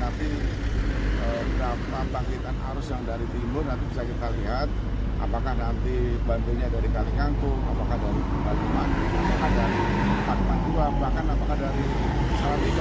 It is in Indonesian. jadi angka itu tapi berapa bangkitan arus yang dari timur nanti bisa kita lihat apakah nanti bangkirnya dari kalikangkung apakah dari kalimantan apakah dari empat ratus empat puluh dua bahkan apakah dari salatiga